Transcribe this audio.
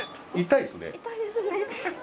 痛いですよね。